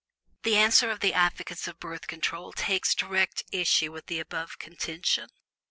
The answer of the advocates of Birth Control takes direct issue with the above contention.